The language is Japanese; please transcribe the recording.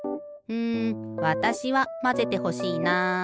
うんわたしはまぜてほしいな。